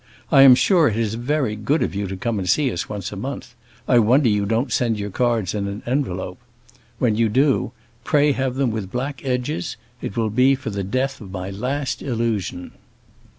I am sure it is very good of you to come and see us once a month; I wonder you don't send us your cards in an envelope. When you do, pray have them with black edges; it will be for the death of my last illusion."